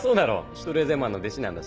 シュトレーゼマンの弟子なんだし。